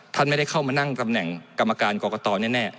ท่านไม่ได้เข้ามานั่งตำแหน่งกรรมการกรกตแน่